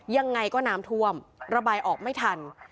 ยังไงก็น้ำท่วมระบายออกไม่ทัน